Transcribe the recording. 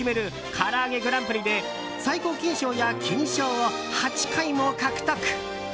からあげグランプリで最高金賞や金賞を８回も獲得。